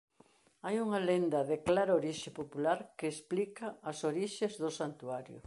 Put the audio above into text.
Hai unha lenda de clara orixe popular que explica as orixes do santuario.